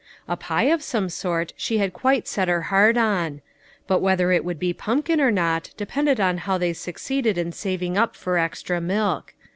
A pie of some sort she had quite set her heart on, but whether it would be pumpkin or not, depended on how they succeeded in saving up for extra milk.